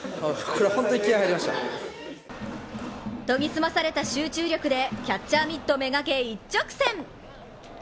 研ぎ澄まされた集中力でキャッチャーミット目がけ一直線。